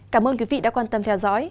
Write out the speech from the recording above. cảm ơn quý vị đã quan tâm theo dõi